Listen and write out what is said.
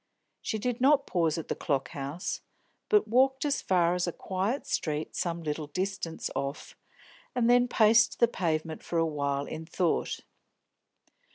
She did not pause at the Clock House, but walked as far as a quiet street some little distance off, and then paced the pavement for a while, in thought.